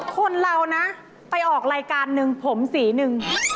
คนเรานะไปออกรายการหนึ่งผมสีหนึ่ง